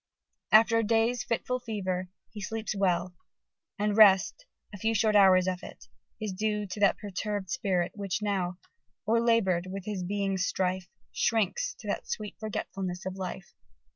After day's fitful fever he sleeps well: and rest, a few short hours of it, is due to that perturbed spirit, which now, ... O'erlabour'd with his being's strife, Shrinks to that sweet forgetfulness of life